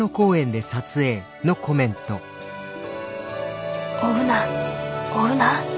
心の声追うな追うな。